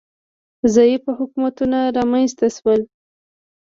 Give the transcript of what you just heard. ضعیفه حکومتونه رامنځ ته شول